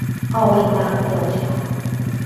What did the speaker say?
奧萬大吊橋